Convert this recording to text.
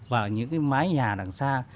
và những cái mái nhà đằng xa